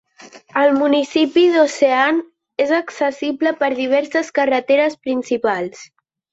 El municipi d'Ocean és accessible per diverses carreteres principals.